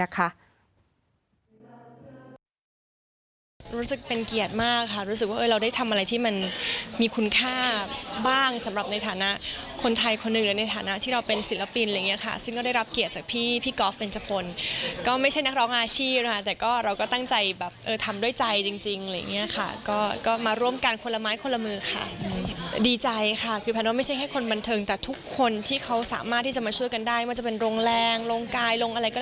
คนหนึ่งในฐานะที่เราเป็นศิลปินอะไรอย่างนี้ค่ะซึ่งก็ได้รับเกียรติจากพี่กอล์ฟเป็นจพลก็ไม่ใช่นักร้องอาชีพนะคะแต่ก็เราก็ตั้งใจแบบทำด้วยใจจริงอะไรอย่างนี้ค่ะก็มาร่วมกันคนละม้ายคนละมือค่ะดีใจค่ะคือแผนว่าไม่ใช่แค่คนบันเทิงแต่ทุกคนที่เขาสามารถที่จะมาช่วยกันได้มันจะเป็นโรงแรงโรงกาย